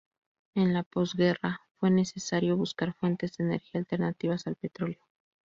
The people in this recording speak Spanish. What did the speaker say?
En la posguerra fue necesario buscar fuentes de energía alternativas al petroleo.